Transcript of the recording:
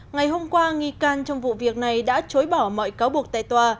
ngày hôm qua nghi can trong vụ việc này đã chối bỏ mọi cáo buộc tại tòa